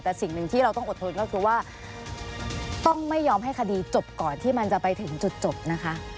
แต่สิ่งหนึ่งที่เราต้องอดทนก็คือว่าต้องไม่ยอมให้คดีจบก่อนที่มันจะไปถึงจุดจบนะคะ